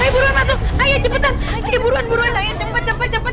ayo buruan masuk ayo cepetan ayo buruan buruan ayo cepet cepet cepet